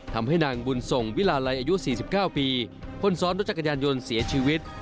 ทำให้นางบุญส่งวิลาลัยอายุ๔๙ปีคนซ้อนรถจักรยานยนต์เสียชีวิต